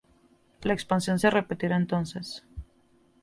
La expansión se repetirá entonces.